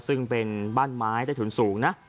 ซึ่งเป็นบ้านไม้ใต้ถุนสูงนะ